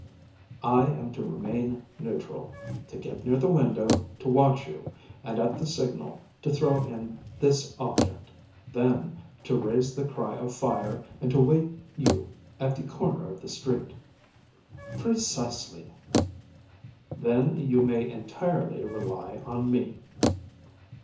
‚ÄĚ “I am to remain neutral, to get near the window, to watch you, and at the signal to throw in this object, then to raise the cry of fire, and to wait you at the corner of the street.‚ÄĚ ‚ÄúPrecisely.‚ÄĚ “Then you may entirely rely on me.